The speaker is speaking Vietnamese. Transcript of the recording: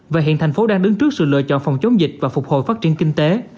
và hiện thành phố đang đứng trước sự lựa chọn phòng chống dịch và phục hồi phát triển kinh tế